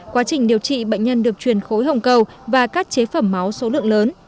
quá trình điều trị bệnh nhân được truyền khối hồng cầu và các chế phẩm máu số lượng lớn